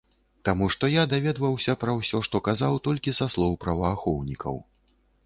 Таму што я даведваўся пра ўсё, што казаў, толькі са слоў праваахоўнікаў.